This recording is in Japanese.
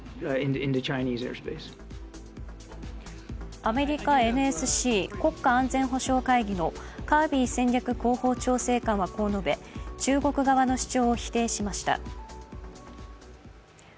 アメリカＮＳＣ＝国家安全保障会議のカービー戦略広報調整官はこう述べ、中国側の主張を否定しました。